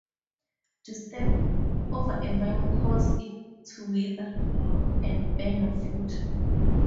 To step over a vine causes it to wither and bear no fruit.